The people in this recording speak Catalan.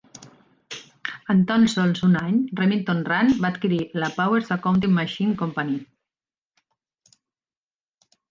En tan sols un any, Remington Rand va adquirir la Powers Accounting Machine Company.